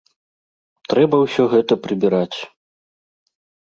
Трэба ўсё гэта прыбіраць.